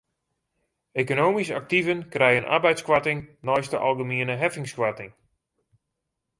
Ekonomysk aktiven krije in arbeidskoarting neist de algemiene heffingskoarting.